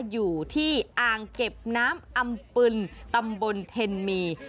อยู่ที่อ่างเก็บน้ำอำปึนตำบลเทนมี